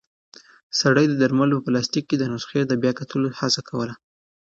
سړی د درملو په پلاستیک کې د نسخې د بیا کتلو هڅه کوله.